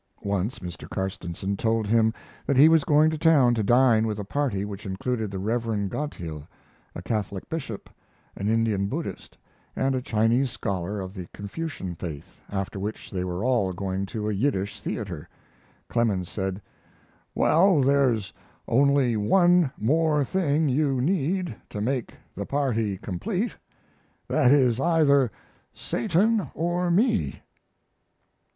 Once Mr. Carstensen told him that he was going to town to dine with a party which included the Reverend Gottheil, a Catholic bishop, an Indian Buddhist, and a Chinese scholar of the Confucian faith, after which they were all going to a Yiddish theater. Clemens said: "Well, there's only one more thing you need to make the party complete that is, either Satan or me."